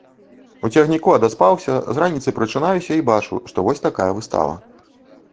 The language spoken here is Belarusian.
У цягніку адаспаўся, з раніцы прачынаюся і бачу, што вось такая выстава.